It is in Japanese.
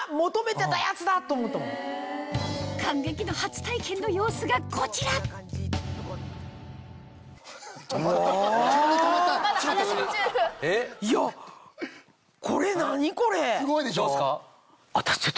感激の初体験の様子がこちらすごいでしょ？